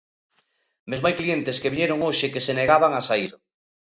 Mesmo hai clientes que viñeron hoxe que se negaban a saír.